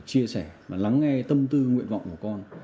chia sẻ và lắng nghe tâm tư nguyện vọng của con